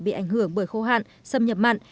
bị ảnh hưởng bởi khô hạn xâm nhập mặn